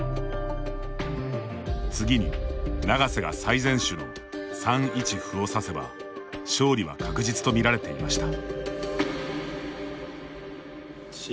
次に永瀬が最善手の３一歩を指せば勝利は確実とみられていました。